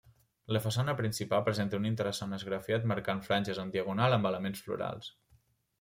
La façana principal presenta un interessant esgrafiat marcant franges en diagonal amb elements florals.